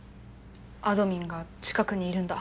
あどミンが近くにいるんだ。